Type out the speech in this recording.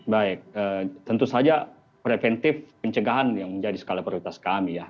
baik tentu saja preventif pencegahan yang menjadi skala prioritas kami ya